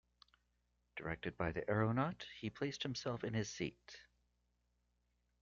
Directed by the aeronaut he placed himself in his seat.